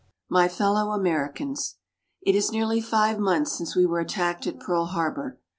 My Fellow Americans: It is nearly five months since we were attacked at Pearl Harbor.